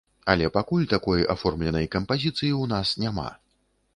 Але пакуль такой аформленай кампазіцыі ў нас няма.